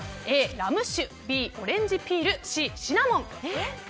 Ａ、ラム酒Ｂ、オレンジピールＣ、シナモン。